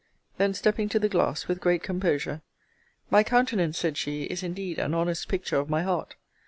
Then stepping to the glass, with great composure, My countenance, said she, is indeed an honest picture of my heart.